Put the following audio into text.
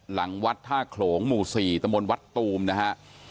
หลังวัดท่าโขลงหมู่๔ตมวัดตูมนะฮะ